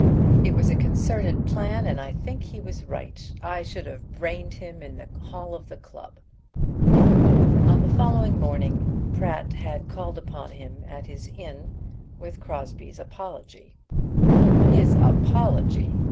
"It was a concerted plan, and I think he was right. I should have brained him in the hall of the club." On the following morning Pratt had called upon him at his inn with Crosbie's apology. "His apology!"